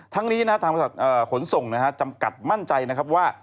ทั้งนี้ทางบริษัทขนส่งจำกัดมั่นใจนะครับว่า